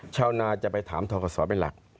ชาวนาจะไปถามทกศเป็นหลัก